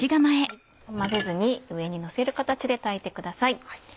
混ぜずに上にのせる形で炊いてください。